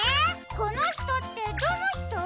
このひとってどのひと？